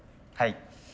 はい。